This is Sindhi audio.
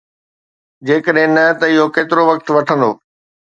جيڪڏهن نه، اهو ڪيترو وقت وٺندو ؟؟